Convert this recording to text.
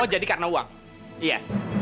oh jadi karena uang iya